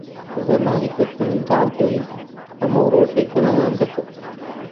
زەمانی خۆی کە منداڵ بووین، هەموو ڕۆژێ گەمەمان دەکرد.